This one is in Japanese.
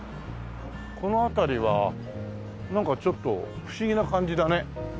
この辺りはなんかちょっと不思議な感じだね。